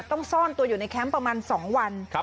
ซ่อนตัวอยู่ในแคมป์ประมาณ๒วัน